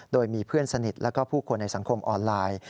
โดยมีเพื่อนสนิทและผู้คนในสังคมออนไลน์